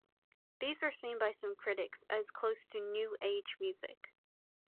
These were seen by some critics as close to New Age music.